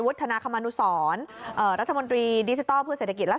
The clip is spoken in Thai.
วุฒิธนาคมณุศรเอ่อรัฐมนตรีดิจิตอลพืชเศรษฐกิจและ